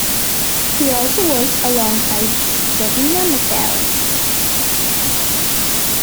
He also worked alongside Davina McCall.